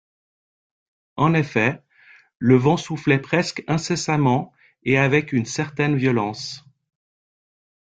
En effet, le vent soufflait presque incessamment et avec une certaine violence.